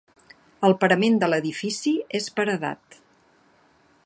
El parament de l'edifici és paredat.